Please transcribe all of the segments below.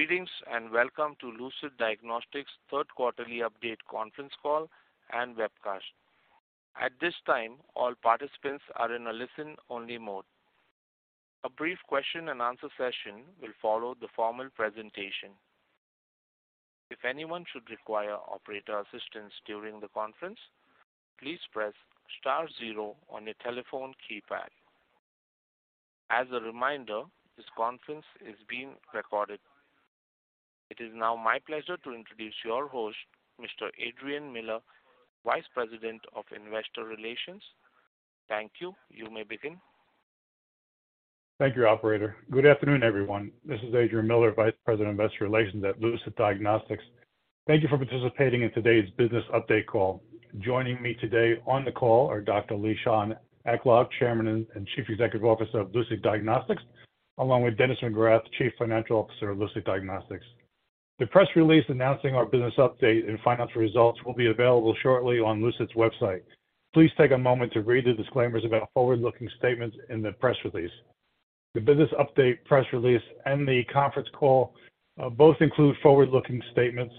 Greetings, and welcome to Lucid Diagnostics' third quarter update conference call and webcast. At this time, all participants are in a listen-only mode. A brief question-and-answer session will follow the formal presentation. If anyone should require operator assistance during the conference, please press star zero on your telephone keypad. As a reminder, this conference is being recorded. It is now my pleasure to introduce your host, Mr. Adrian Miller, Vice President of Investor Relations. Thank you. You may begin. Thank you, operator. Good afternoon, everyone. This is Adrian Miller, Vice President, Investor Relations at Lucid Diagnostics. Thank you for participating in today's business update call. Joining me today on the call are Dr. Lishan Aklog, Chairman and Chief Executive Officer of Lucid Diagnostics, along with Dennis McGrath, Chief Financial Officer of Lucid Diagnostics. The press release announcing our business update and financial results will be available shortly on Lucid's website. Please take a moment to read the disclaimers about forward-looking statements in the press release. The business update press release and the conference call both include forward-looking statements,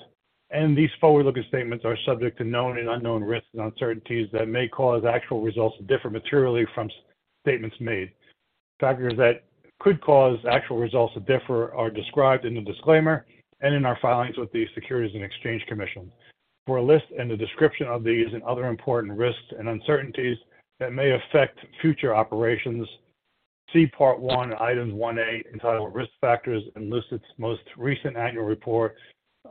and these forward-looking statements are subject to known and unknown risks and uncertainties that may cause actual results to differ materially from statements made. Factors that could cause actual results to differ are described in the disclaimer and in our filings with the Securities and Exchange Commission. For a list and a description of these and other important risks and uncertainties that may affect future operations, see Part I, Item 1A, entitled Risk Factors, in Lucid's most recent annual report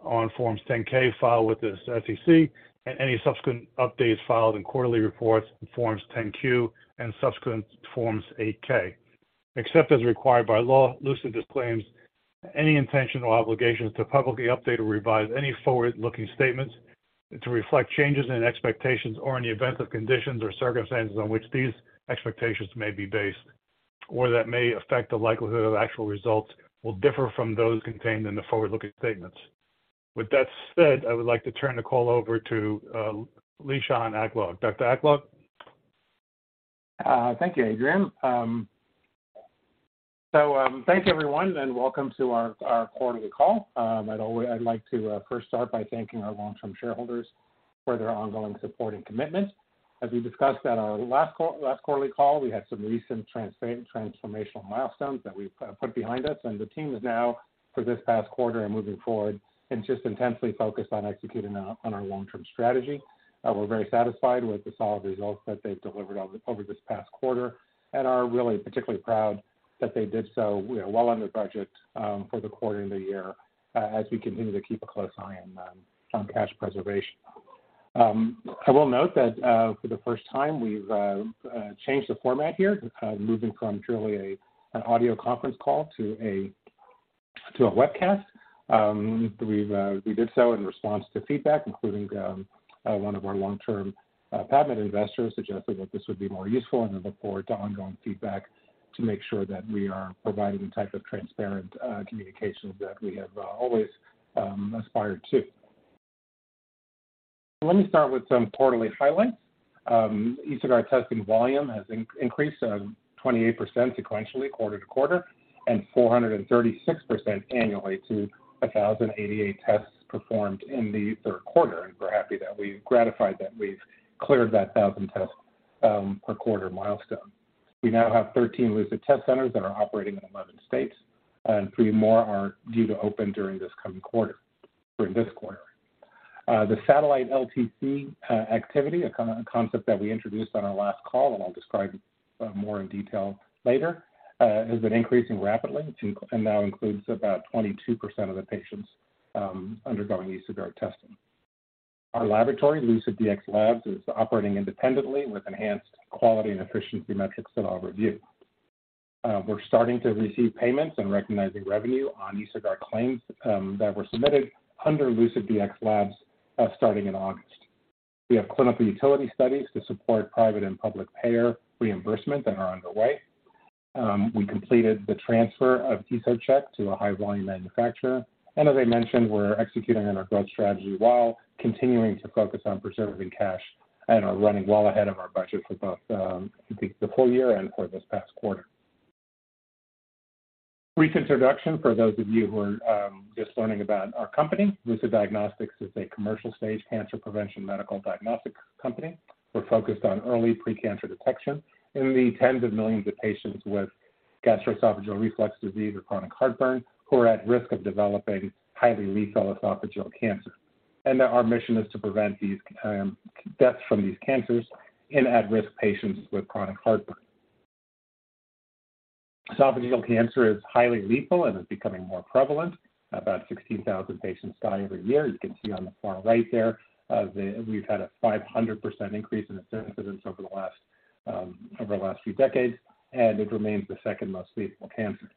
on Form 10-K filed with the SEC, and any subsequent updates filed in quarterly reports on Form 10-Q and subsequent Form 8-K. Except as required by law, Lucid disclaims any intention or obligation to publicly update or revise any forward-looking statements to reflect changes in expectations or in the event of conditions or circumstances on which these expectations may be based, or that may affect the likelihood that actual results will differ from those contained in the forward-looking statements. With that said, I would like to turn the call over to Lishan Aklog. Dr. Aklog. Thank you, Adrian. Thanks everyone, and welcome to our quarterly call. I'd like to first start by thanking our long-term shareholders for their ongoing support and commitment. As we discussed at our last quarterly call, we had some recent transformational milestones that we've put behind us, and the team is now, for this past quarter and moving forward, just intensely focused on executing on our long-term strategy. We're very satisfied with the solid results that they've delivered over this past quarter and are really particularly proud that they did so, you know, well under budget, for the quarter and the year as we continue to keep a close eye on cash preservation. I will note that, for the first time, we've changed the format here, moving from truly an audio conference call to a webcast. We've done so in response to feedback, including one of our long-term patient investors suggested that this would be more useful, and we look forward to ongoing feedback to make sure that we are providing the type of transparent communications that we have always aspired to. Let me start with some quarterly highlights. EsoGuard testing volume has increased 28% sequentially quarter-over-quarter, and 436% annually to 1,088 tests performed in the third quarter. We're happy that we're gratified that we've cleared that 1,000 tests per quarter milestone. We now have 13 Lucid test centers that are operating in 11 states, and three more are due to open during this coming quarter. The satellite LTC activity, a concept that we introduced on our last call and I'll describe more in detail later, has been increasing rapidly and now includes about 22% of the patients undergoing EsoGuard testing. Our laboratory, Lucid Dx Labs, is operating independently with enhanced quality and efficiency metrics that I'll review. We're starting to receive payments and recognizing revenue on EsoGuard claims that were submitted under Lucid Dx Labs starting in August. We have clinical utility studies to support private and public payer reimbursement that are underway. We completed the transfer of EsoCheck to a high-volume manufacturer. As I mentioned, we're executing on our growth strategy while continuing to focus on preserving cash and are running well ahead of our budget for both, the full year and for this past quarter. Brief introduction for those of you who are just learning about our company. Lucid Diagnostics is a commercial-stage cancer prevention medical diagnostics company. We're focused on early pre-cancer detection in the tens of millions of patients with gastroesophageal reflux disease or chronic heartburn who are at risk of developing highly lethal esophageal cancer. Our mission is to prevent these deaths from these cancers in at-risk patients with chronic heartburn. Esophageal cancer is highly lethal and is becoming more prevalent. About 16,000 patients die every year. You can see on the far right there, we've had a 500% increase in incidence over the last few decades, and it remains the second most lethal cancer,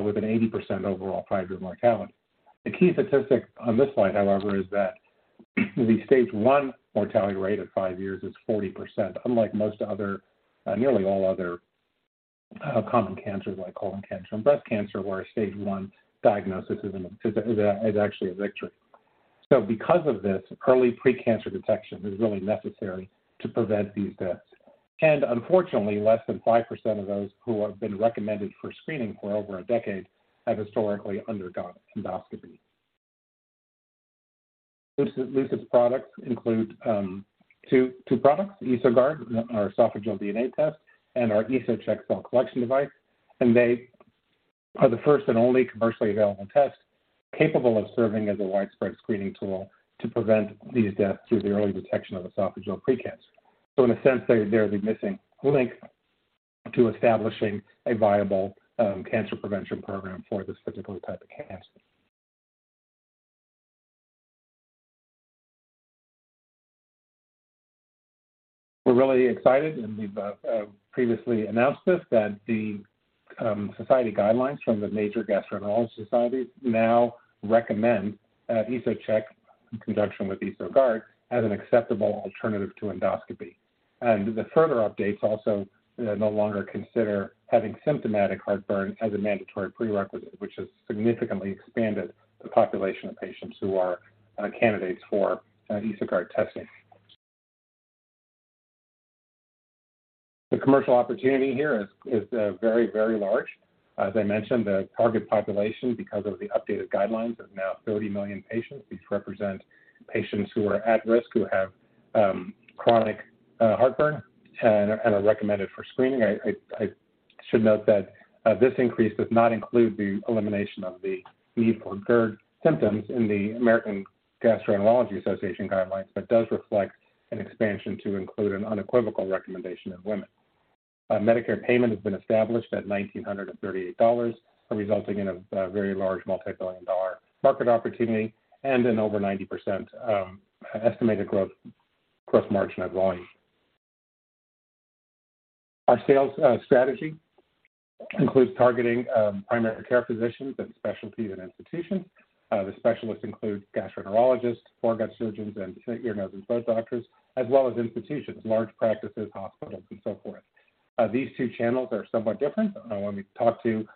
with an 80% overall five-year mortality. The key statistic on this slide, however, is that the stage 1 mortality rate at five years is 40%, unlike most other, nearly all other, common cancers like colon cancer and breast cancer, where a stage 1 diagnosis is actually a victory. Because of this, early pre-cancer detection is really necessary to prevent these deaths. Unfortunately, less than 5% of those who have been recommended for screening for over a decade have historically undergone endoscopy. Lucid's products include two products, EsoGuard, our esophageal DNA test, and our EsoCheck cell collection device. They are the first and only commercially available test capable of serving as a widespread screening tool to prevent these deaths through the early detection of esophageal precancer. So in a sense, they're the missing link to establishing a viable cancer prevention program for this particular type of cancer. We're really excited, and we've previously announced this, that the society guidelines from the major gastroenterology societies now recommend EsoCheck in conjunction with EsoGuard as an acceptable alternative to endoscopy. The further updates also no longer consider having symptomatic heartburn as a mandatory prerequisite, which has significantly expanded the population of patients who are candidates for EsoGuard testing. The commercial opportunity here is very large. As I mentioned, the target population, because of the updated guidelines, is now 30 million patients. These represent patients who are at risk, who have chronic heartburn and are recommended for screening. I should note that this increase does not include the elimination of the need for GERD symptoms in the American Gastroenterological Association guidelines but does reflect an expansion to include an unequivocal recommendation in women. A Medicare payment has been established at $1,938, resulting in a very large multi-billion-dollar market opportunity and an over 90% estimated gross margin at volume. Our sales strategy includes targeting primary care physicians, specialists, and institutions. The specialists include gastroenterologists, foregut surgeons, and ear, nose, and throat doctors, as well as institutions, large practices, hospitals, and so forth. These two channels are somewhat different. When we talk to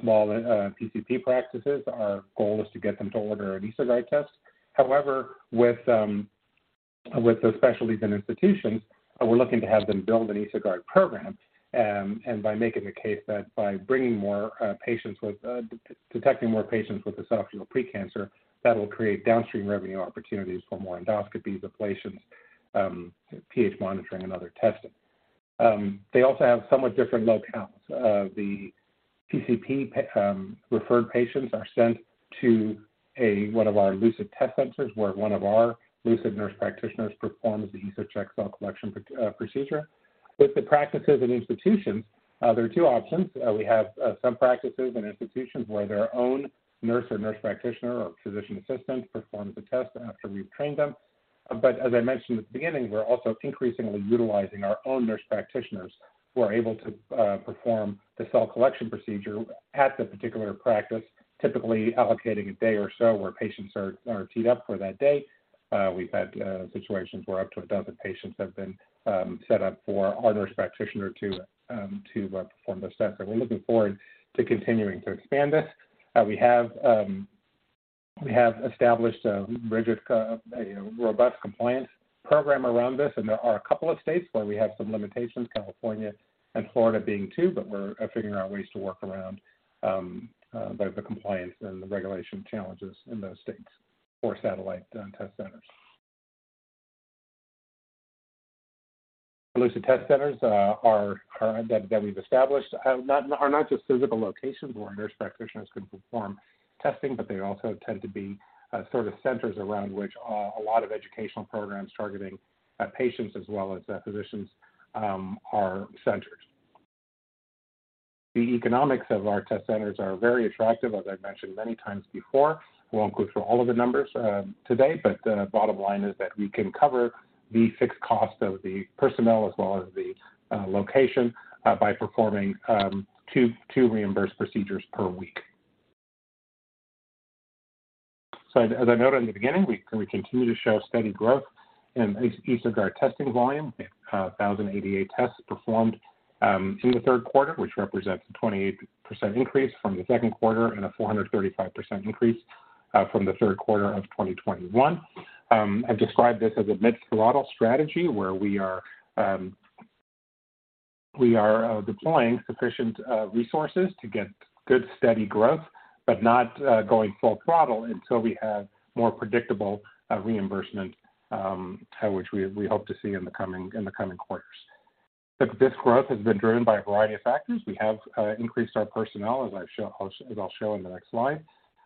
small PCP practices, our goal is to get them to order an EsoGuard test. However, with the specialties and institutions, we're looking to have them build an EsoGuard program, and by making the case that by detecting more patients with esophageal pre-cancer, that will create downstream revenue opportunities for more endoscopies, ablations, pH monitoring, and other testing. They also have somewhat different locales. The PCP referred patients are sent to one of our Lucid test centers, where one of our Lucid nurse practitioners performs the EsoCheck cell collection procedure. With the practices and institutions, there are two options. We have some practices and institutions where their own nurse or nurse practitioner or physician assistant performs the test after we've trained them. As I mentioned at the beginning, we're also increasingly utilizing our own nurse practitioners, who are able to perform the cell collection procedure at the particular practice, typically allocating a day or so where patients are teed up for that day. We've had situations where up to a dozen patients have been set up for our nurse practitioner to perform those tests. We're looking forward to continuing to expand this. We have established a you know robust compliance program around this, and there are a couple of states where we have some limitations, California and Florida being two, but we're figuring out ways to work around the compliance and the regulation challenges in those states for satellite test centers. Lucid test centers that we've established are not just physical locations where nurse practitioners can perform testing, but they also tend to be sort of centers around which a lot of educational programs targeting patients as well as physicians are centered. The economics of our test centers are very attractive, as I've mentioned many times before. Won't go through all of the numbers today, but the bottom line is that we can cover the fixed cost of the personnel as well as the location by performing 2 reimbursed procedures per week. As I noted in the beginning, we continue to show steady growth in EsoGuard testing volume. We had 1,088 tests performed in the third quarter, which represents a 28% increase from the second quarter and a 435% increase from the third quarter of 2021. I've described this as a mid-throttle strategy where we are deploying sufficient resources to get good, steady growth, but not going full throttle until we have more predictable reimbursement, which we hope to see in the coming quarters. This growth has been driven by a variety of factors. We have increased our personnel, as I'll show in the next slide.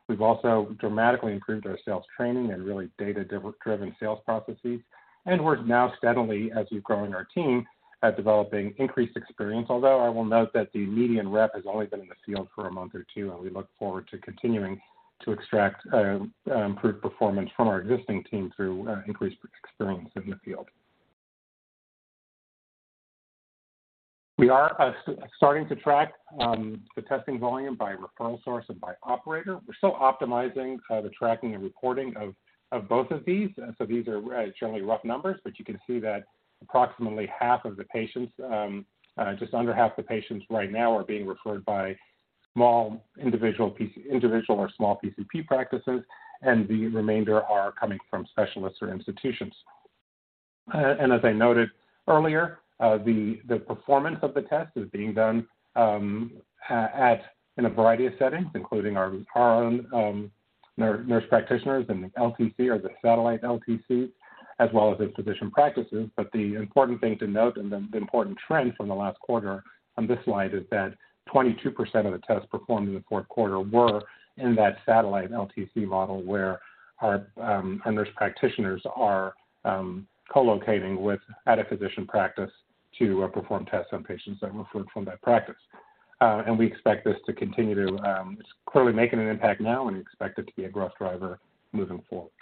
We've also dramatically improved our sales training and really data-driven sales processes. We're now steadily, as we've grown our team, developing increased experience. Although I will note that the median rep has only been in the field for a month or two, and we look forward to continuing to extract improved performance from our existing team through increased experience in the field. We are starting to track the testing volume by referral source and by operator. We're still optimizing the tracking and reporting of both of these. These are generally rough numbers, but you can see that approximately half of the patients, just under half the patients right now are being referred by small individual or small PCP practices, and the remainder are coming from specialists or institutions. As I noted earlier, the performance of the test is being done in a variety of settings, including our own nurse practitioners in the LTC or the satellite LTCs, as well as the physician practices. The important thing to note and the important trend from the last quarter on this slide is that 22% of the tests performed in the fourth quarter were in that satellite LTC model where our nurse practitioners are co-locating with a physician practice to perform tests on patients that were referred from that practice. We expect this to continue to. It's clearly making an impact now, and we expect it to be a growth driver moving forward.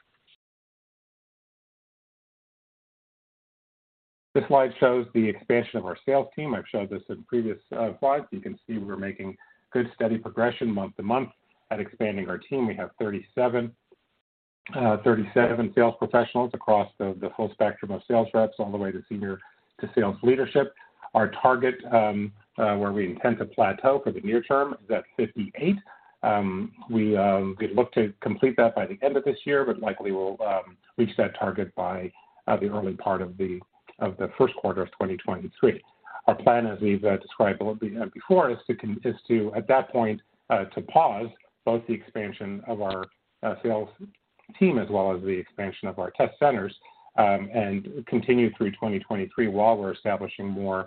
This slide shows the expansion of our sales team. I've showed this in previous slides. You can see we're making good steady progression month to month at expanding our team. We have 37 sales professionals across the full spectrum of sales reps all the way to senior sales leadership. Our target, where we intend to plateau for the near term is at 58. We look to complete that by the end of this year, but likely we'll reach that target by the early part of the first quarter of 2023. Our plan, as we've described before, is to, at that point, to pause both the expansion of our sales team as well as the expansion of our test centers, and continue through 2023 while we're establishing more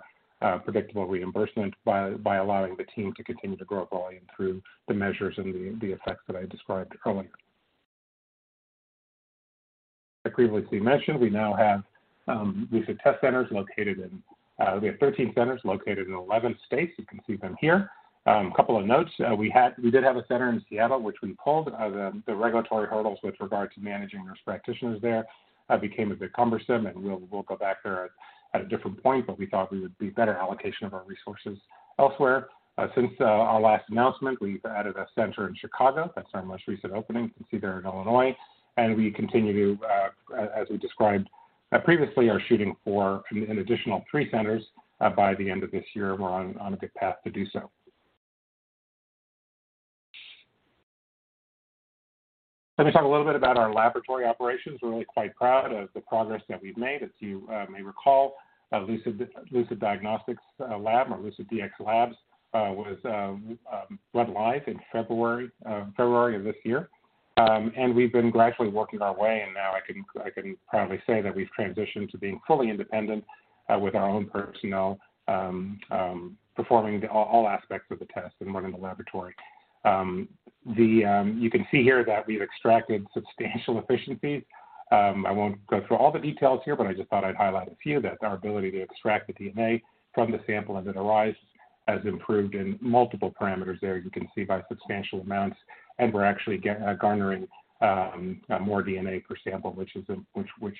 predictable reimbursement by allowing the team to continue to grow volume through the measures and the effects that I described earlier. As previously mentioned, we now have Lucid test centers located in, we have 13 centers located in 11 states. You can see them here. A couple of notes. We did have a center in Seattle, which we pulled. The regulatory hurdles with regard to managing nurse practitioners there became a bit cumbersome, and we'll go back there at a different point, but we thought we would be better allocation of our resources elsewhere. Since our last announcement, we've added a center in Chicago. That's our most recent opening. You can see there in Illinois. We continue to, as we described previously, are shooting for an additional three centers by the end of this year. We're on a good path to do so. Let me talk a little bit about our laboratory operations. We're really quite proud of the progress that we've made. As you may recall, Lucid Diagnostics Lab or Lucid Dx Labs went live in February of this year. We've been gradually working our way, and now I can proudly say that we've transitioned to being fully independent, with our own personnel, performing all aspects of the test and running the laboratory. You can see here that we've extracted substantial efficiencies. I won't go through all the details here, but I just thought I'd highlight a few, that our ability to extract the DNA from the sample as it arrives has improved in multiple parameters there, you can see by substantial amounts. We're actually garnering more DNA per sample, which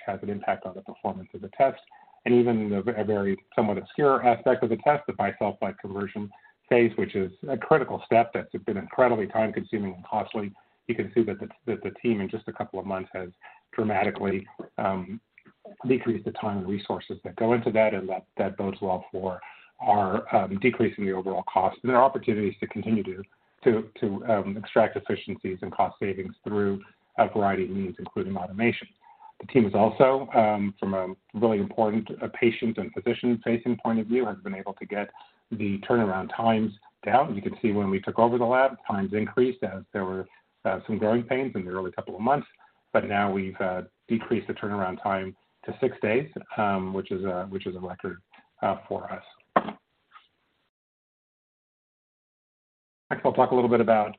has an impact on the performance of the test. Even in a very somewhat obscure aspect of the test, the bisulfite conversion phase, which is a critical step that's been incredibly time-consuming and costly. You can see that the team in just a couple of months has dramatically decreased the time and resources that go into that, and that bodes well for our decreasing the overall cost. There are opportunities to continue to extract efficiencies and cost savings through a variety of means, including automation. The team has also, from a really important patient and physician-facing point of view, has been able to get the turnaround times down. You can see when we took over the lab, times increased as there were some growing pains in the early couple of months. Now we've decreased the turnaround time to six days, which is a record for us. Next, I'll talk a little bit about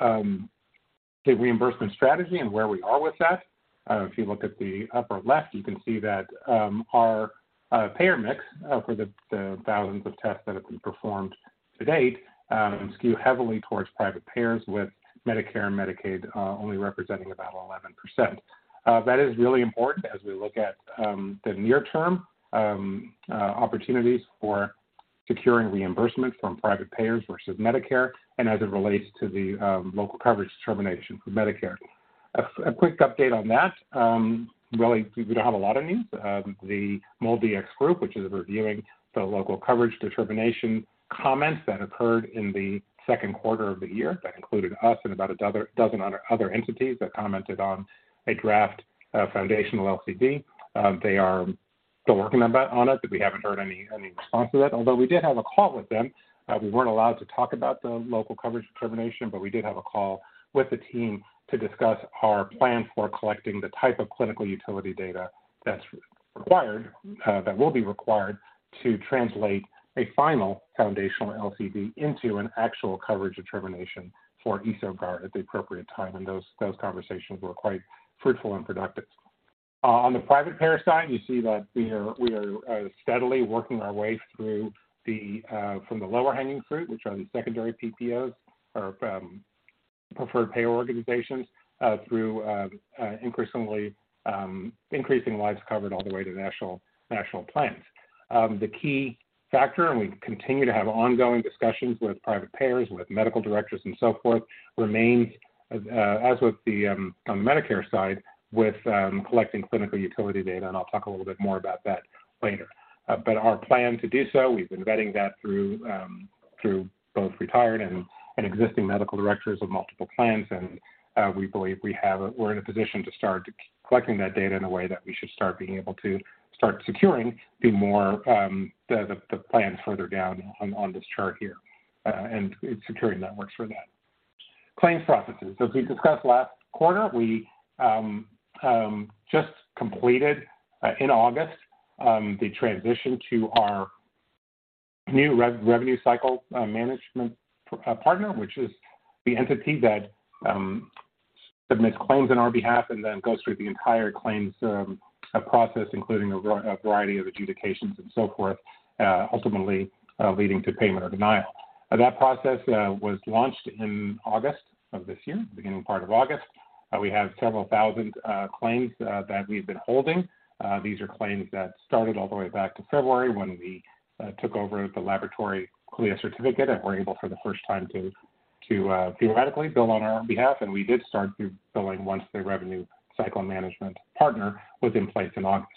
the reimbursement strategy and where we are with that. If you look at the upper left, you can see that our payer mix for the thousands of tests that have been performed to date skew heavily towards private payers with Medicare and Medicaid only representing about 11%. That is really important as we look at the near-term opportunities for securing reimbursement from private payers versus Medicare and as it relates to the local coverage determination for Medicare. A quick update on that, really we don't have a lot of news. The MolDX group, which is reviewing the local coverage determination comments that occurred in the second quarter of the year, that included us and about a dozen other entities that commented on a draft foundational LCD. They are still working on that, but we haven't heard any response to that. Although we did have a call with them, we weren't allowed to talk about the local coverage determination, but we did have a call with the team to discuss our plan for collecting the type of clinical utility data that's required that will be required to translate a final foundational LCD into an actual coverage determination for EsoGuard at the appropriate time. Those conversations were quite fruitful and productive. On the private payer side, you see that we are steadily working our way through from the lower-hanging fruit, which are the secondary PPOs or Preferred Provider Organizations through increasingly increasing lives covered all the way to national plans. The key factor we continue to have ongoing discussions with private payers, with medical directors and so forth remains as with the one on the Medicare side with collecting clinical utility data, and I'll talk a little bit more about that later. Our plan to do so, we've been vetting that through both retired and existing medical directors of multiple plans, and we believe we're in a position to start collecting that data in a way that we should start being able to start securing more of the plans further down on this chart here, and securing networks for that. Claims processes. As we discussed last quarter, we just completed in August the transition to our new revenue cycle management partner, which is the entity that submits claims on our behalf and then goes through the entire claims process, including a variety of adjudications and so forth, ultimately leading to payment or denial. That process was launched in August of this year, beginning part of August. We have several thousand claims that we've been holding. These are claims that started all the way back to February when we took over the laboratory CLIA certificate and were able for the first time to theoretically bill on our own behalf. We did start billing once the revenue cycle management partner was in place in August.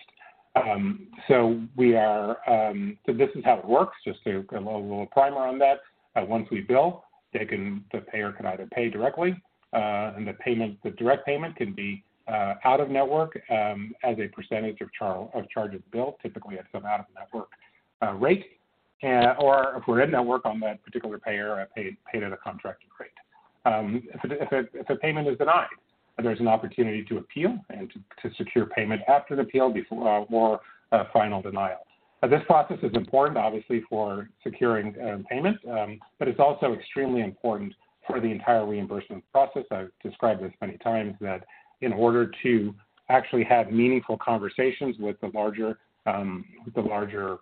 We are... This is how it works, just to give a little primer on that. Once we bill, the payer can either pay directly, and the direct payment can be out-of-network, as a percentage of charges billed, typically at some out-of-network rate. Or if we're in-network on that particular payer, paid at a contracted rate. If the payment is denied, there's an opportunity to appeal and to secure payment after the appeal before or a final denial. This process is important, obviously, for securing payment, but it's also extremely important for the entire reimbursement process. I've described this many times that in order to actually have meaningful conversations with the larger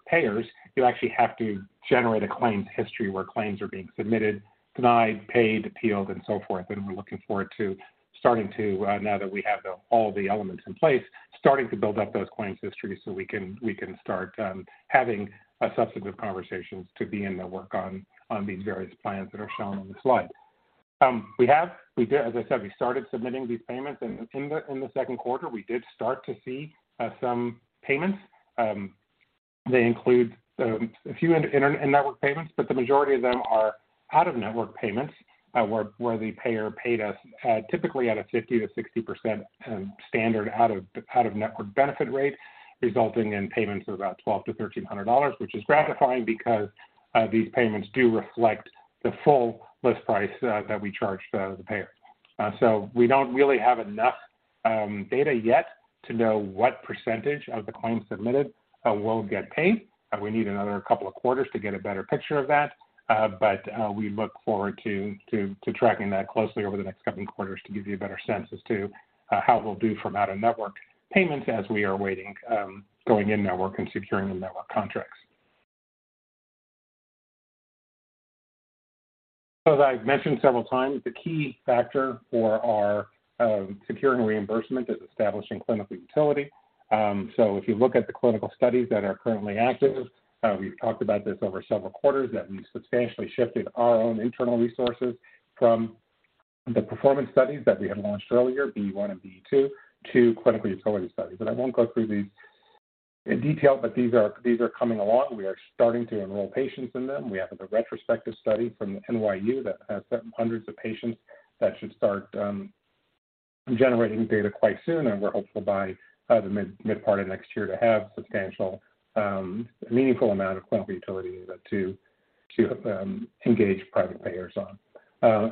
payers, you actually have to generate a claims history where claims are being submitted, denied, paid, appealed, and so forth. We're looking forward to starting to now that we have all the elements in place, starting to build up those claims histories so we can start having substantive conversations to be in network on these various plans that are shown on the slide. We did, as I said, start submitting these payments in the second quarter. We did start to see some payments. They include a few in-network payments, but the majority of them are out-of-network payments, where the payer paid us typically at a 50%-60% standard out-of-network benefit rate, resulting in payments of about $1,200-$1,300, which is gratifying because these payments do reflect the full list price that we charge the payer. We don't really have enough data yet to know what percentage of the claims submitted will get paid. We need another couple of quarters to get a better picture of that. We look forward to tracking that closely over the next couple of quarters to give you a better sense as to how it will do for out-of-network payments as we are waiting going in-network and securing the network contracts. As I've mentioned several times, the key factor for our securing reimbursement is establishing clinical utility. If you look at the clinical studies that are currently active, we've talked about this over several quarters, that we've substantially shifted our own internal resources from the performance studies that we had launched earlier, BE1 and BE2, to clinical utility studies. I won't go through these in detail, but these are coming along. We are starting to enroll patients in them. We have the retrospective study from NYU that has hundreds of patients that should start generating data quite soon. We're hopeful by the mid part of next year to have substantial meaningful amount of clinical utility data to engage private payers on.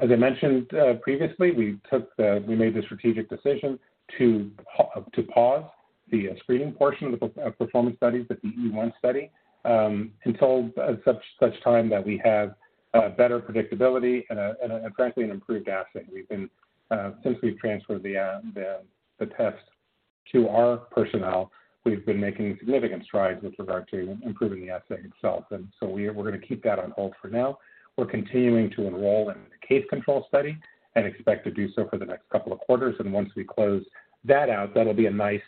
As I mentioned previously, we made the strategic decision to pause the screening portion of the performance studies, the BE1 study, until such time that we have better predictability and frankly, an improved assay. We've been since we've transferred the test to our personnel, we've been making significant strides with regard to improving the assay itself. We're gonna keep that on hold for now. We're continuing to enroll in the case control study and expect to do so for the next couple of quarters. Once we close that out, that'll be a nice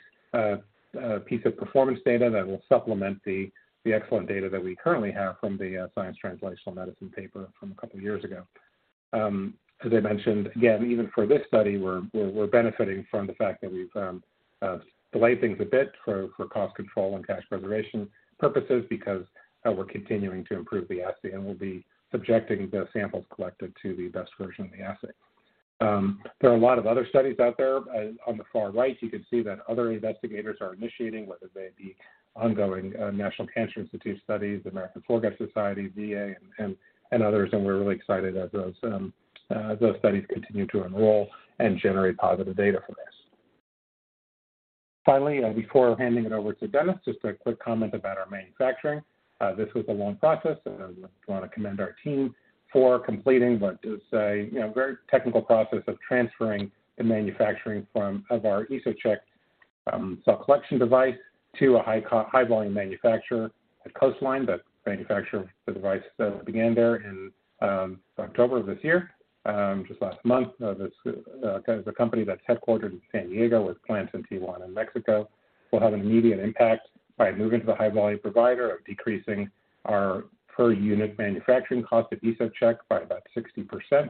piece of performance data that will supplement the excellent data that we currently have from the Science Translational Medicine paper from a couple of years ago. As I mentioned, again, even for this study, we're benefiting from the fact that we've delayed things a bit for cost control and cash preservation purposes because we're continuing to improve the assay, and we'll be subjecting the samples collected to the best version of the assay. There are a lot of other studies out there. On the far right, you can see that other investigators are initiating, whether they be ongoing, National Cancer Institute studies, American Thoracic Society, VA, and others, and we're really excited as those studies continue to enroll and generate positive data for this. Finally, before handing it over to Dennis, just a quick comment about our manufacturing. This was a long process, and I want to commend our team for completing what is a, you know, very technical process of transferring the manufacturing of our EsoCheck cell collection device to a high volume manufacturer at Coastline. The manufacturing of the device began there in October of this year, just last month. This kind of a company that's headquartered in San Diego with plants in Tijuana and Mexico will have an immediate impact by moving to the high volume provider of decreasing our per unit manufacturing cost of EsoCheck by about 60%.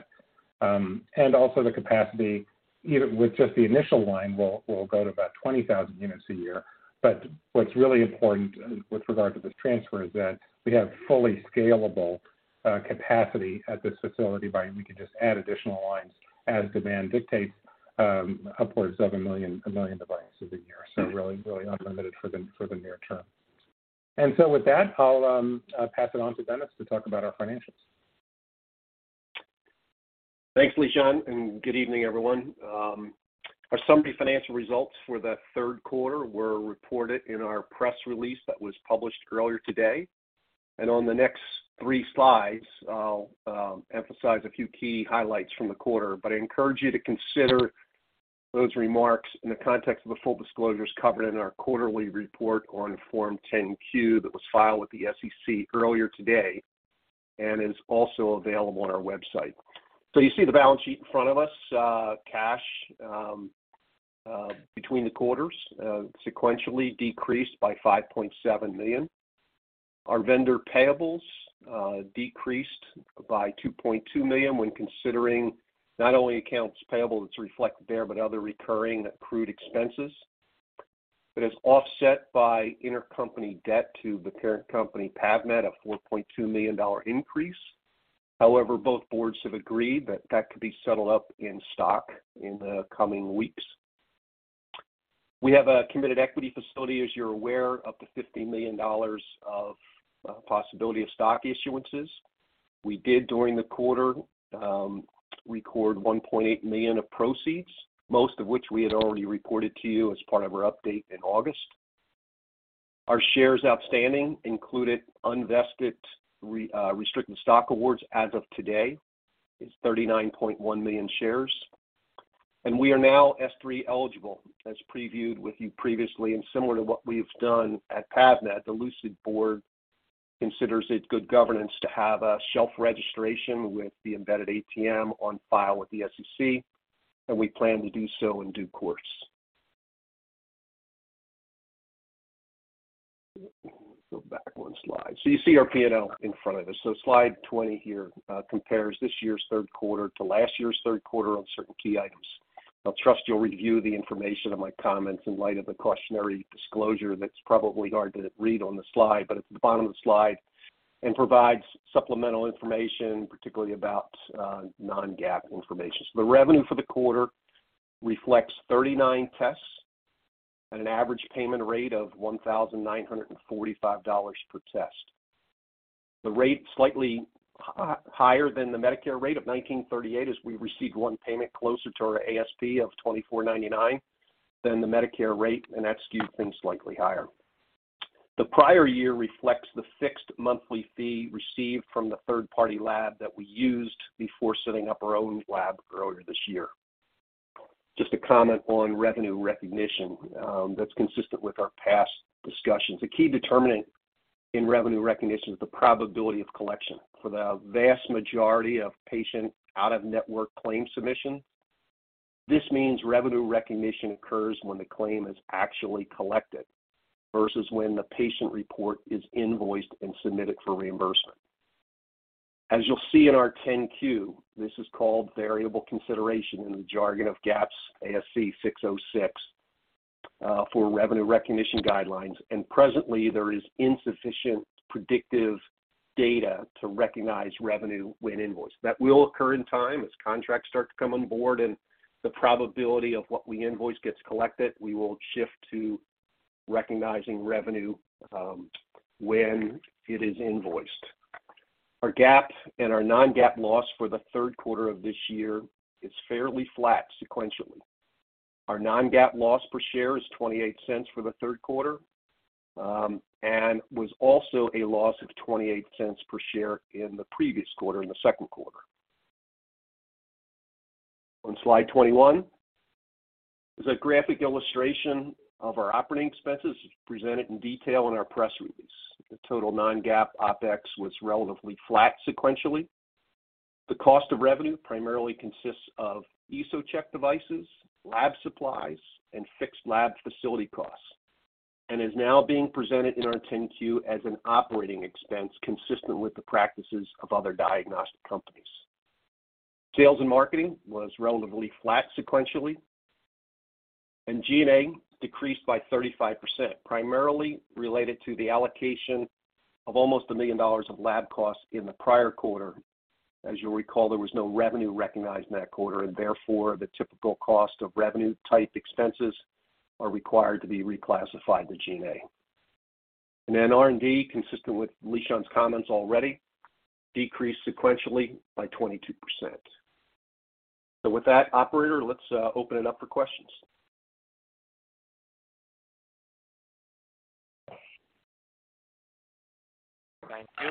Also the capacity, even with just the initial line, we'll go to about 20,000 units a year. But what's really important with regard to this transfer is that we have fully scalable capacity at this facility, we can just add additional lines as demand dictates, upwards of 1 million devices a year. Really unlimited for the near term. With that, I'll pass it on to Dennis to talk about our financials. Thanks, Lishan, and good evening, everyone. Our summary financial results for the third quarter were reported in our press release that was published earlier today. On the next three slides, I'll emphasize a few key highlights from the quarter. I encourage you to consider those remarks in the context of the full disclosures covered in our quarterly report on Form 10-Q that was filed with the SEC earlier today, and is also available on our website. You see the balance sheet in front of us. Cash between the quarters sequentially decreased by $5.7 million. Our vendor payables decreased by $2.2 million when considering not only accounts payable that's reflected there, but other recurring accrued expenses. It is offset by intercompany debt to the parent company, PAVmed, a $4.2 million increase. However, both boards have agreed that that could be settled up in stock in the coming weeks. We have a committed equity facility, as you're aware, up to $50 million of possibility of stock issuances. We did during the quarter record $1.8 million of proceeds, most of which we had already reported to you as part of our update in August. Our shares outstanding included unvested restricted stock awards. As of today, it's 39.1 million shares. We are now S-3-eligible, as previewed with you previously. Similar to what we've done at PAVmed, the Lucid board considers it good governance to have a shelf registration with the embedded ATM on file with the SEC, and we plan to do so in due course. Go back one slide. You see our P&L in front of us. Slide 20 here compares this year's third quarter to last year's third quarter on certain key items. I'll trust you'll review the information in my comments in light of the cautionary disclosure that's probably hard to read on the slide, but it's at the bottom of the slide and provides supplemental information, particularly about non-GAAP information. The revenue for the quarter reflects 39 tests at an average payment rate of $1,945 per test. The rate slightly higher than the Medicare rate of $1,938, as we received one payment closer to our ASP of $2,499 than the Medicare rate, and that skewed things slightly higher. The prior year reflects the fixed monthly fee received from the third-party lab that we used before setting up our own lab earlier this year. Just a comment on revenue recognition, that's consistent with our past discussions. A key determinant in revenue recognition is the probability of collection. For the vast majority of patient out-of-network claim submission, this means revenue recognition occurs when the claim is actually collected versus when the patient report is invoiced and submitted for reimbursement. As you'll see in our 10-Q, this is called variable consideration in the jargon of GAAP's ASC 606, for revenue recognition guidelines. Presently, there is insufficient predictive data to recognize revenue when invoiced. That will occur in time as contracts start to come on board and the probability of what we invoice gets collected, we will shift to recognizing revenue, when it is invoiced. Our GAAP and our non-GAAP loss for the third quarter of this year is fairly flat sequentially. Our non-GAAP loss per share is $0.28 for the third quarter, and was also a loss of $0.28 per share in the previous quarter, in the second quarter. On slide 21 is a graphic illustration of our operating expenses as presented in detail in our press release. The total non-GAAP OpEx was relatively flat sequentially. The cost of revenue primarily consists of EsoCheck devices, lab supplies, and fixed lab facility costs, and is now being presented in our 10-Q as an operating expense consistent with the practices of other diagnostic companies. Sales and marketing was relatively flat sequentially, and G&A decreased by 35%, primarily related to the allocation of almost $1 million of lab costs in the prior quarter. As you'll recall, there was no revenue recognized in that quarter, and therefore the typical cost of revenue-type expenses are required to be reclassified to G&A. R&D, consistent with Lishan's comments already, decreased sequentially by 22%. With that, operator, let's open it up for questions. Thank you.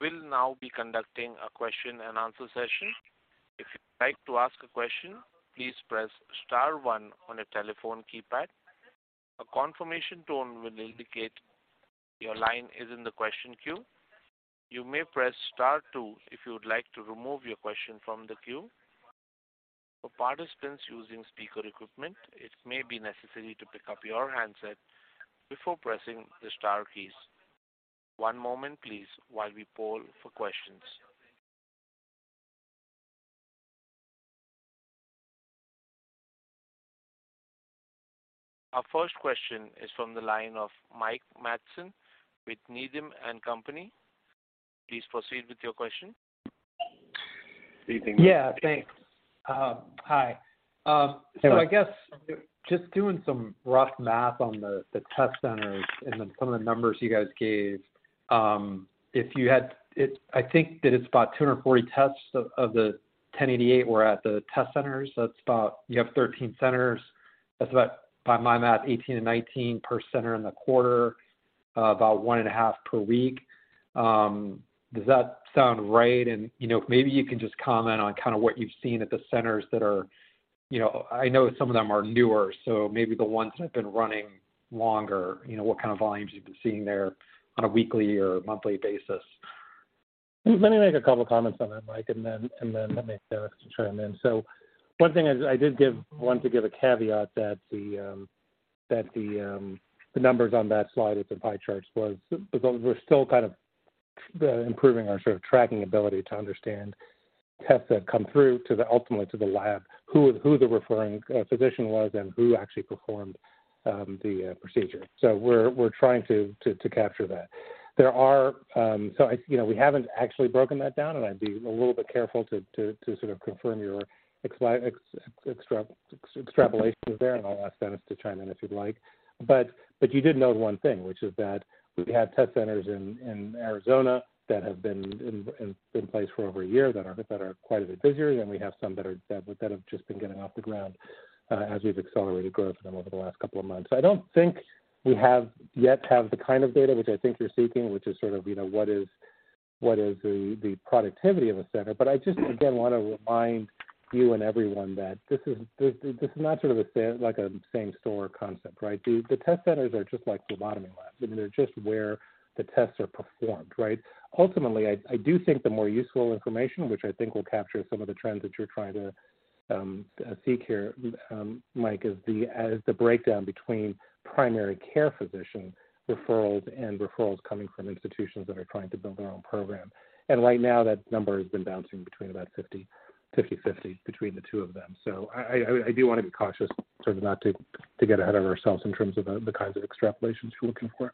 We'll now be conducting a question-and-answer session. If you'd like to ask a question, please press star one on your telephone keypad. A confirmation tone will indicate your line is in the question queue. You may press star two if you would like to remove your question from the queue. For participants using speaker equipment, it may be necessary to pick up your handset before pressing the star keys. One moment please while we poll for questions. Our first question is from the line of Mike Matson with Needham & Company. Please proceed with your question. Yeah. Thanks. Hi. Hello. I guess just doing some rough math on the test centers and then some of the numbers you guys gave. I think that it's about 240 tests of the 1,088 were at the test centers. That's about, you have 13 centers. That's about, by my math, 18-19 per center in the quarter, about 1.5 per week. Does that sound right? You know, maybe you can just comment on kind of what you've seen at the centers that are, you know, I know some of them are newer, so maybe the ones that have been running longer, you know, what kind of volumes you've been seeing there on a weekly or monthly basis. Let me make a couple comments on that, Mike, and then let me ask Dennis to chime in. One thing I wanted to give a caveat that the numbers on that slide with the pie charts was we're still kind of improving our sort of tracking ability to understand tests that come through ultimately to the lab, who the referring physician was and who actually performed the procedure. We're trying to capture that. There are, so, you know, we haven't actually broken that down, and I'd be a little bit careful to sort of confirm your extrapolation there, and I'll ask Dennis to chime in if you'd like. You did note one thing, which is that we have test centers in Arizona that have been in place for over a year that are quite a bit busier than we have some that have just been getting off the ground, as we've accelerated growth in them over the last couple of months. I don't think we have yet the kind of data which I think you're seeking, which is sort of what is the productivity of a center. But I just again want to remind you and everyone that this is not sort of like a same store concept, right? The test centers are just like phlebotomy labs. I mean, they're just where the tests are performed, right? Ultimately, I do think the more useful information, which I think will capture some of the trends that you're trying to seek here, Mike, is the breakdown between primary care physician referrals and referrals coming from institutions that are trying to build their own program. Right now, that number has been bouncing between about fifty-fifty between the two of them. I do wanna be cautious sort of not to get ahead of ourselves in terms of the kinds of extrapolations you're looking for.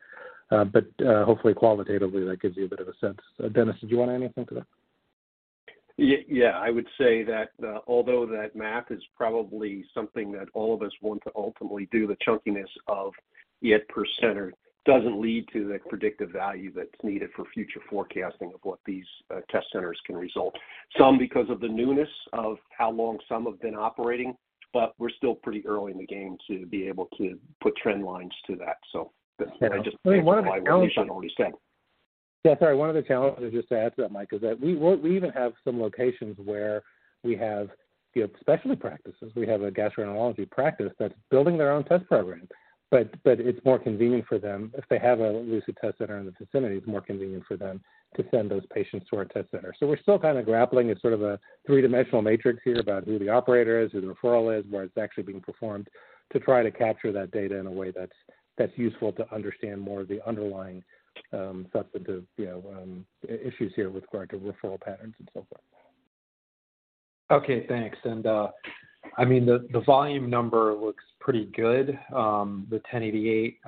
Hopefully qualitatively, that gives you a bit of a sense. Dennis, did you want to add anything to that? Yeah. I would say that although that math is probably something that all of us want to ultimately do, the chunkiness of it per center doesn't lead to the predictive value that's needed for future forecasting of what these test centers can result. Some because of the newness of how long some have been operating, but we're still pretty early in the game to be able to put trend lines to that. I just- One of the challenges, just to add to that, Mike, is that we even have some locations where we have, you know, specialty practices. We have a gastroenterology practice that's building their own test program. But it's more convenient for them if they have a Lucid test center in the vicinity. It's more convenient for them to send those patients to our test center. We're still kind of grappling with sort of a three-dimensional matrix here about who the operator is, who the referral is, where it's actually being performed to try to capture that data in a way that's useful to understand more of the underlying substantive, you know, issues here with regard to referral patterns and so forth. Okay, thanks. I mean, the volume number looks pretty good, the 1,088.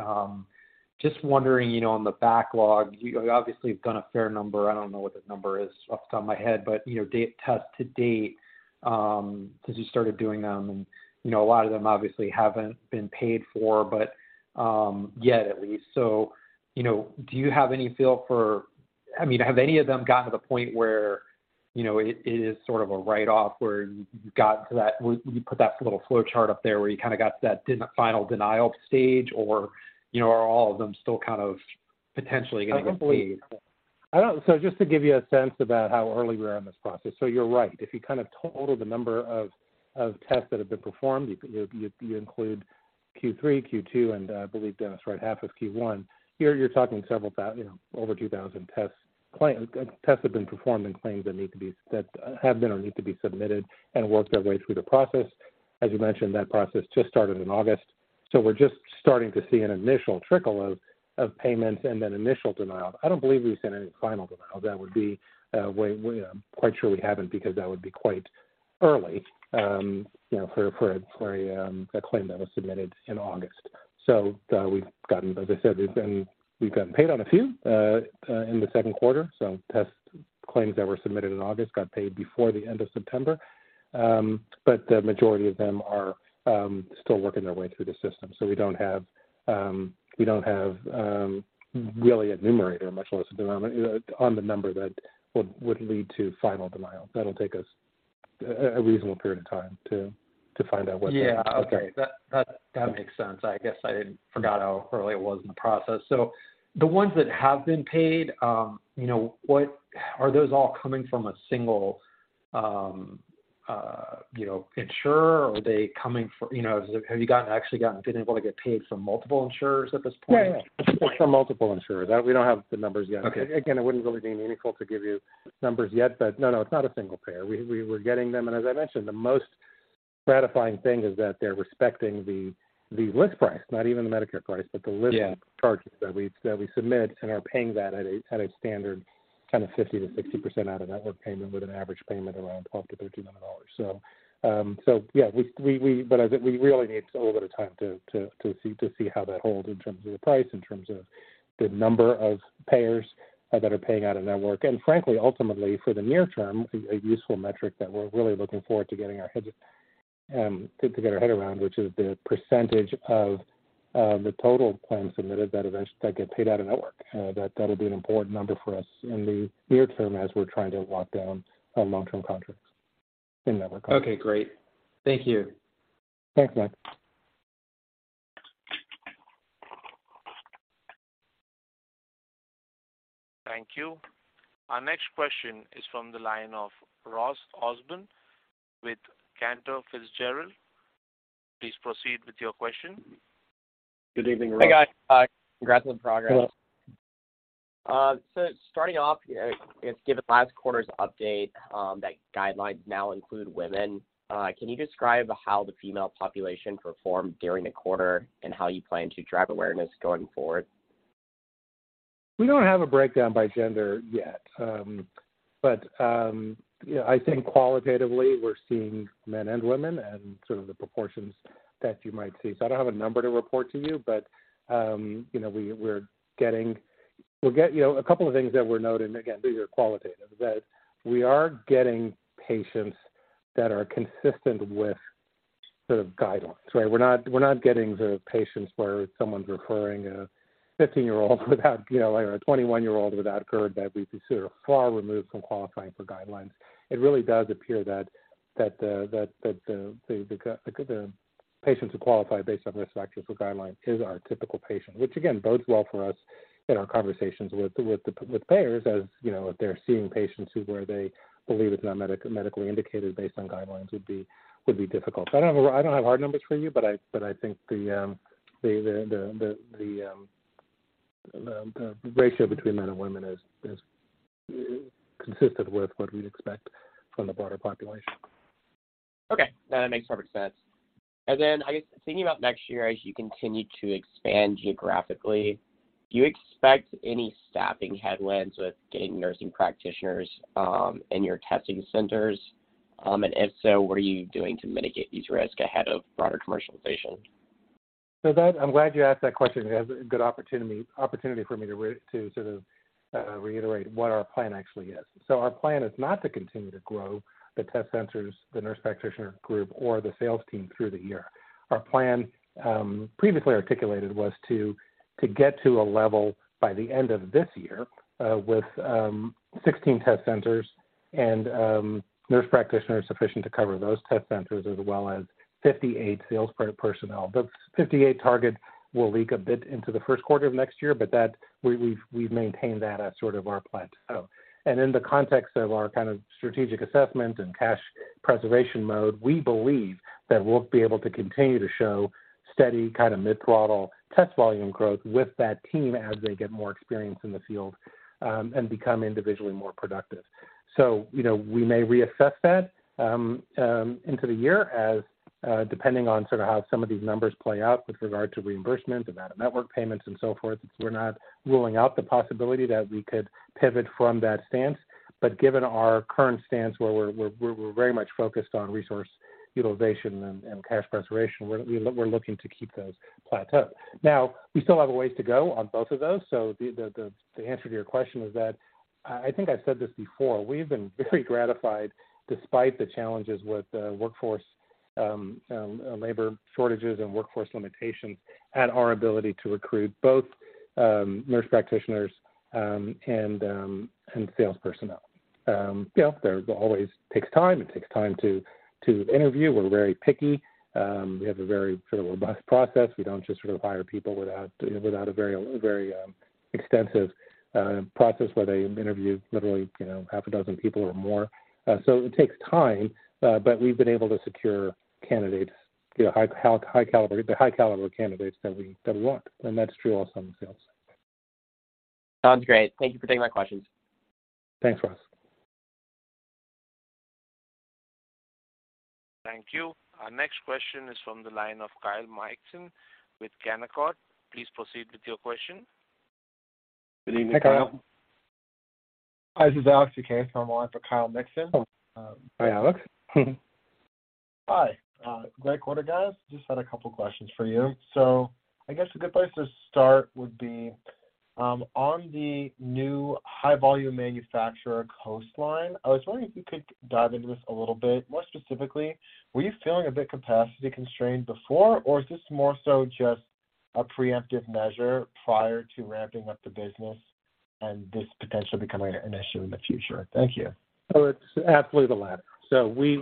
Just wondering, you know, on the backlog, you obviously have done a fair number. I don't know what the number is off the top of my head, but you know, test to date, since you started doing them and, you know, a lot of them obviously haven't been paid for, but yet at least. You know, do you have any feel for I mean, have any of them gotten to the point where, you know, it is sort of a write-off where you've gotten to that you put that little flowchart up there where you kinda got to that final denial stage, or, you know, are all of them still kind of potentially gonna get paid? Just to give you a sense about how early we are in this process. You're right. If you kind of total the number of tests that have been performed, you include Q3, Q2, and I believe Dennis, right, half of Q1, here you're talking several, you know, over 2,000 tests have been performed and claims that have been or need to be submitted and worked their way through the process. As you mentioned, that process just started in August. We're just starting to see an initial trickle of payments and then initial denials. I don't believe we've seen any final denials. That would be way. I'm quite sure we haven't because that would be quite early, you know, for a claim that was submitted in August. As I said, we've gotten paid on a few in the second quarter. Test claims that were submitted in August got paid before the end of September. The majority of them are still working their way through the system. We don't have really a numerator, much less denominator on the number that would lead to final denial. That'll take us a reasonable period of time to find out what that. Yeah. Okay. Okay. That makes sense. I guess I forgot how early it was in the process. The ones that have been paid, you know, are those all coming from a single, you know, insurer, or are they coming from, you know, have you actually been able to get paid from multiple insurers at this point? Yeah, yeah. From multiple insurers. We don't have the numbers yet. Okay. Again, it wouldn't really be meaningful to give you numbers yet, but no, it's not a single payer. We're getting them. As I mentioned, the most gratifying thing is that they're respecting the list price, not even the Medicare price, but the list- Yeah prices that we submit and are paying that at a standard kind of 50%-60% out of network payment with an average payment around $1,200-$1,300. I think we really need a little bit of time to see how that holds in terms of the price, in terms of the number of payers that are paying out of network. Frankly, ultimately for the near term, a useful metric that we're really looking forward to getting our head around, which is the percentage of the total claims submitted that get paid out of network. That'll be an important number for us in the near term as we're trying to lock down long-term contracts in-network. Okay, great. Thank you. Thanks, Mike. Thank you. Our next question is from the line of Ross Osborn with Cantor Fitzgerald. Please proceed with your question. Good evening, Ross. Hey, guys. Congrats on the progress. Hello. Starting off, I guess given last quarter's update, that guidelines now include women, can you describe how the female population performed during the quarter and how you plan to drive awareness going forward? We don't have a breakdown by gender yet. But you know, I think qualitatively, we're seeing men and women and sort of the proportions that you might see. I don't have a number to report to you. You know, we'll get a couple of things that we're noting, again, these are qualitative, that we are getting patients that are consistent with the guidelines, right. We're not getting the patients where someone's referring a 15-year-old without, you know, or a 21-year-old without GERD that we consider far removed from qualifying for guidelines. It really does appear that the patients who qualify based on risk factors for guidelines is our typical patient, which again bodes well for us in our conversations with the payers, as you know, if they're seeing patients where they believe it's not medically indicated based on guidelines would be difficult. I don't have hard numbers for you, but I think the ratio between men and women is consistent with what we'd expect from the broader population. Okay. No, that makes perfect sense. I guess thinking about next year as you continue to expand geographically, do you expect any staffing headwinds with getting nurse practitioners in your testing centers? If so, what are you doing to mitigate these risks ahead of broader commercialization? I'm glad you asked that question. It has a good opportunity for me to sort of reiterate what our plan actually is. Our plan is not to continue to grow the test centers, the nurse practitioner group or the sales team through the year. Our plan, previously articulated, was to get to a level by the end of this year with 16 test centers and nurse practitioners sufficient to cover those test centers as well as 58 sales personnel. The 58 target will leak a bit into the first quarter of next year, but we've maintained that as sort of our plan. In the context of our kind of strategic assessment and cash preservation mode, we believe that we'll be able to continue to show steady kind of mid-throttle test volume growth with that team as they get more experience in the field, and become individually more productive. You know, we may reassess that into the year as depending on sort of how some of these numbers play out with regard to reimbursement, amount of network payments and so forth. We're not ruling out the possibility that we could pivot from that stance. Given our current stance where we're very much focused on resource utilization and cash preservation, we're looking to keep those plateaued. Now, we still have a ways to go on both of those. The answer to your question is that I think I've said this before. We've been very gratified despite the challenges with workforce labor shortages and workforce limitations at our ability to recruit both nurse practitioners and sales personnel. It takes time to interview. We're very picky. We have a very sort of robust process. We don't just sort of hire people without a very extensive process where they interview literally, you know, half a dozen people or more. It takes time, but we've been able to secure candidates, you know, high caliber candidates that we want. That's true also in sales. Sounds great. Thank you for taking my questions. Thanks, Ross. Thank you. Our next question is from the line of Kyle Mikson with Canaccord. Please proceed with your question. Good evening, Kyle. Hey, Kyle. high, this is Alex Vukasin on for Kyle Mikson. Hi Alex. Hi, like what it was. Just have a couple of questions for you so I guess the good place to start would be on the new high volume manufacturer Coastline. I just wonder if you could you just dive on it a little bit? More specifically, we're still feeling a bit capacity constrained before or just more so, just a preemptive measure prior to ramping up the business and this but we're just becoming an issue in the future. Thank you. Alright, so if it's after the latter, so we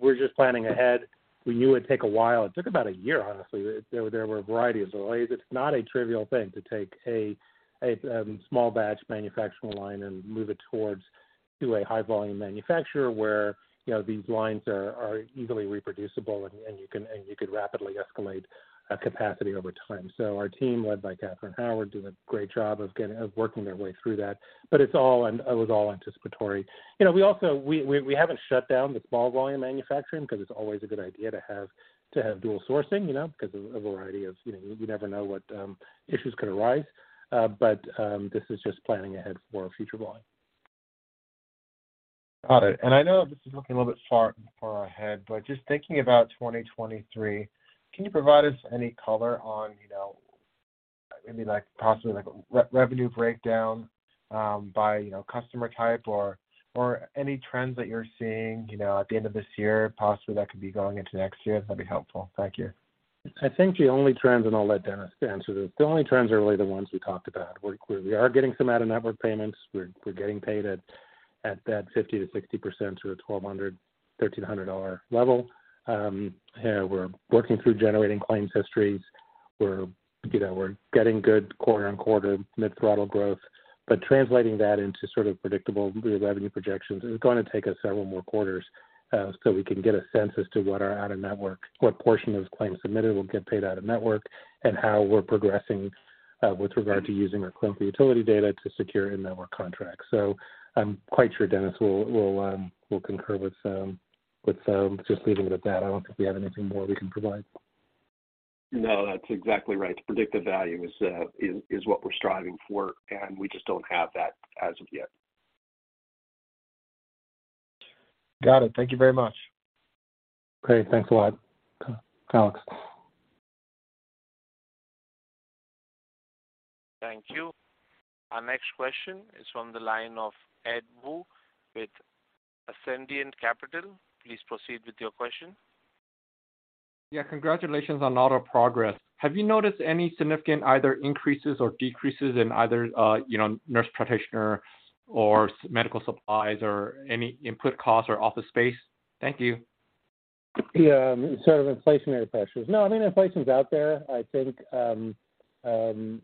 were just planning ahead. We knew it would take a while, took about a year actually, there were a variety of ways. It's not a trivial thing to take a small batch manufacturing line and move it towards to do a high volume manufacturer where you know these lines are easily reproducible and you can, and you could rapidly escalate a capacity over time, so our team lead by Catherine Howard, do a great job of getting working their way through that, but it's all and it was all anticipatory. We also, we haven't shut down the small volume manufacturing because it's always a good idea to have a dual sourcing, because a variety of you know, you never know what, issues could arise but this is just planning ahead for the future line. Got it. I know this is looking a little bit far, far ahead, but just thinking about 2023, can you provide us any color on, you know, maybe like, possibly like revenue breakdown, by, you know, customer type or any trends that you're seeing, you know, at the end of this year, possibly that could be going into next year? That'd be helpful. Thank you. I think the only trends, and I'll let Dennis answer this, are really the ones we talked about, where we are getting some out-of-network payments. We're getting paid at that 50%-60% through the $1,200-$1,300 level. We're working through generating claims histories. You know, we're getting good quarter-over-quarter mid-single-digit growth. Translating that into sort of predictable revenue projections is gonna take us several more quarters, so we can get a sense as to what portion of claims submitted will get paid out-of-network and how we're progressing with regard to using our claim utility data to secure in-network contracts. I'm quite sure Dennis will concur with just leaving it at that. I don't think we have anything more we can provide. No, that's exactly right. The predictive value is what we're striving for, and we just don't have that as of yet. Got it. Thank you very much. Great. Thanks a lot, Alex. Thank you. Our next question is from the line of Ed Woo with Ascendiant Capital. Please proceed with your question. Yeah. Congratulations on all the progress. Have you noticed any significant either increases or decreases in either, you know, nurse practitioner or medical supplies or any input costs or office space? Thank you. Yeah. Sort of inflationary pressures. No, I mean, inflation's out there. I think, you know,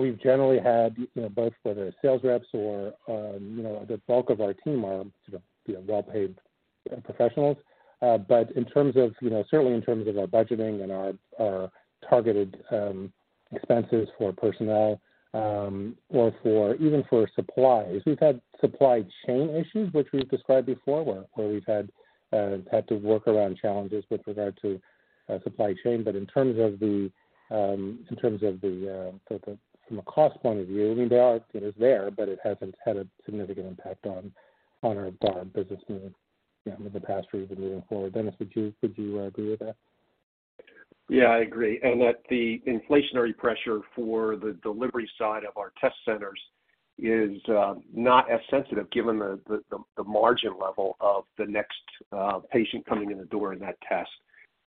we've generally had, you know, both, whether sales reps or, you know, the bulk of our team are sort of, you know, well-paid professionals. In terms of, you know, certainly in terms of our budgeting and our targeted expenses for personnel, or even for supplies, we've had supply chain issues which we've described before, where we've had to work around challenges with regard to supply chain. In terms of the from a cost point of view, I mean, there are. It is there, but it hasn't had a significant impact on our business moving, you know, in the past or even moving forward. Dennis, would you agree with that? Yeah, I agree. That the inflationary pressure for the delivery side of our test centers is not as sensitive given the margin level of the next patient coming in the door in that test.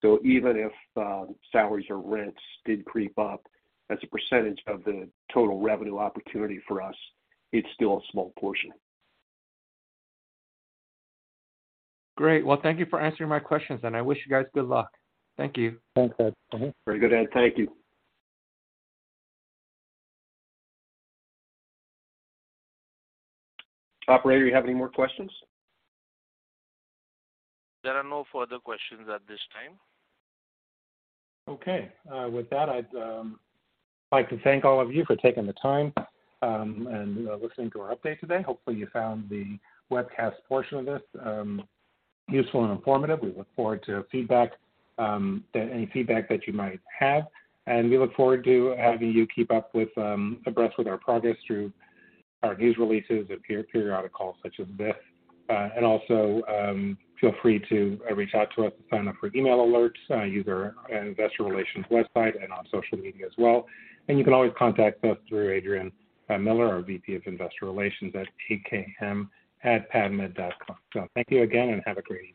Even if salaries or rents did creep up as a percentage of the total revenue opportunity for us, it's still a small portion. Great. Well, thank you for answering my questions, and I wish you guys good luck. Thank you. Thanks, Ed. Very good, Ed. Thank you. Operator, you have any more questions? There are no further questions at this time. With that, I'd like to thank all of you for taking the time and listening to our update today. Hopefully, you found the webcast portion of this useful and informative. We look forward to feedback, any feedback that you might have. We look forward to having you keep abreast of our progress through our news releases and periodic calls such as this. Also, feel free to reach out to us to sign up for email alerts, either on Investor Relations website and on social media as well. You can always contact us through Adrian Miller, our VP of Investor Relations, at tkm@pavmed.com. Thank you again, and have a great day.